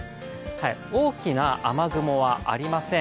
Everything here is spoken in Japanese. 大きな雨雲はありません。